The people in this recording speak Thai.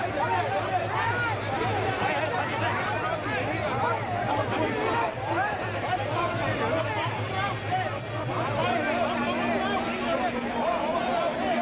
และเขาเขียบจิงประสุน่าจะควารสมใจ